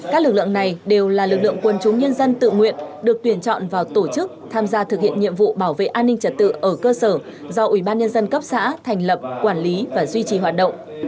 các lực lượng này đều là lực lượng quân chúng nhân dân tự nguyện được tuyển chọn vào tổ chức tham gia thực hiện nhiệm vụ bảo vệ an ninh trật tự ở cơ sở do ủy ban nhân dân cấp xã thành lập quản lý và duy trì hoạt động